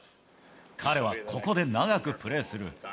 彼はここで長くプレーする。